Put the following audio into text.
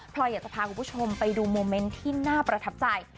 อยากจะพาคุณผู้ชมไปดูโมเมนต์ที่น่าประทับใจ